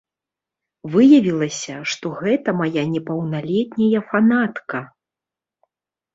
Выявілася, што гэта мая непаўналетняя фанатка!